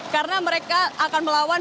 karena mereka akan melawan